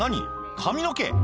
髪の毛？